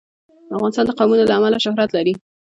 افغانستان د قومونه له امله شهرت لري.